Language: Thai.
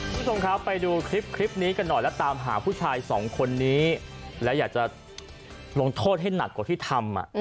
คุณผู้ชมครับไปดูคลิปนี้กันหน่อยแล้วตามหาผู้ชายสองคนนี้และอยากจะลงโทษให้หนักกว่าที่ทำ